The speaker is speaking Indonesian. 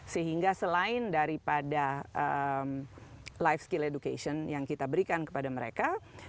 sehingga selain daripada life skill education yang kita berikan kepada mereka